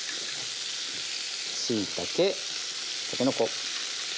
しいたけたけのこ。